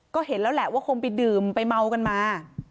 ก็เห็นแล้วแหละว่าคงไปดื่มไปเมากันมา